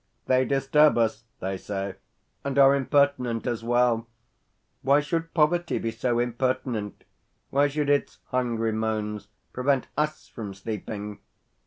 "They disturb us," they say, "and are impertinent as well. Why should poverty be so impertinent? Why should its hungry moans prevent us from sleeping?"